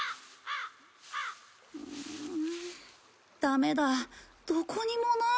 うんダメだどこにもない。